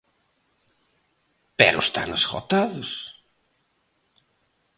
Pero están esgotados.